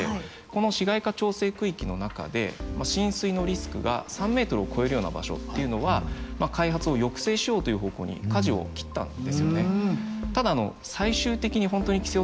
この市街化調整区域の中で浸水のリスクが３ｍを超えるような場所っていうのは開発を抑制しようという方向にかじを切ったんですよね。